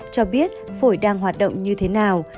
cho biết phổi đang hoạt động như thế nào